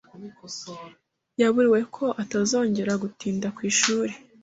Yaburiwe ko atazongera gutinda ku ishuri.